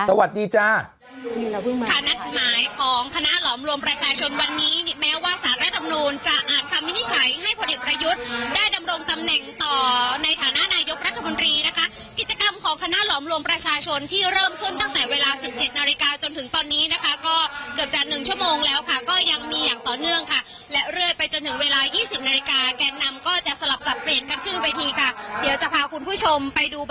สวัสดีจ้า